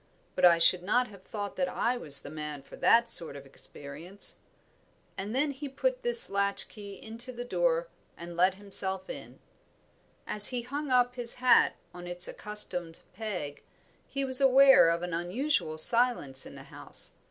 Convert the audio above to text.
But I should not have thought that I was the man for that sort of experience." And then he put this latch key into the door, and let himself in. As he hung up his hat on its accustomed peg, he was aware of an unusual silence in the house.